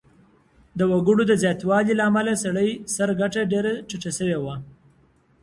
د وګړو د زياتوالي له امله سړي سر ګټه ډېره ټيټه سوي وه.